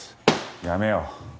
やめよう。